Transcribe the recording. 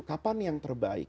kapan yang terbaik